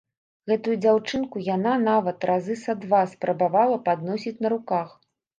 Гэтую дзяўчынку яна нават разы са два спрабавала падносіць на руках.